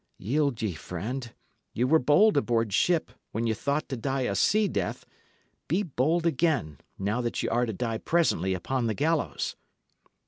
Yield ye, friend. Ye were bold aboard ship, when ye thought to die a sea death; be bold again, now that y' are to die presently upon the gallows."